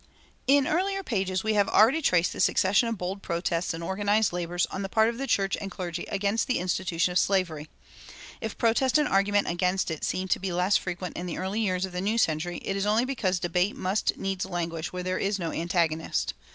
In earlier pages we have already traced the succession of bold protests and organized labors on the part of church and clergy against the institution of slavery.[268:1] If protest and argument against it seem to be less frequent in the early years of the new century, it is only because debate must needs languish when there is no antagonist.